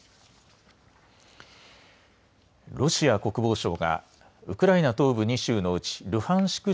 ロシア国防省がウクライナ東部２州のうちルハンシク